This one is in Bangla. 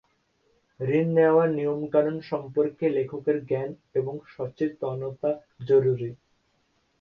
ঋণ নেওয়ার নিয়মকানুন সম্পর্কে লেখকের জ্ঞান এবং সচেতনতা জরুরি।